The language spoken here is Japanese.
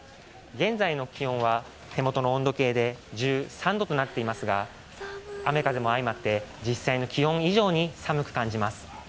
現在の気温は手元の温度計で１３度となっていますが、雨・風も相まって、実際の気温以上寒く感じます。